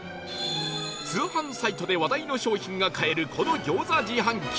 通販サイトで話題の商品が買えるこの餃子自販機